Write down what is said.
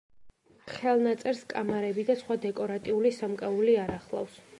ხელნაწერს კამარები და სხვა დეკორატიული სამკაული არ ახლავს.